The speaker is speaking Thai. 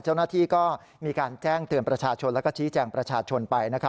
เจ้าหน้าที่ก็มีการแจ้งเตือนประชาชนแล้วก็ชี้แจงประชาชนไป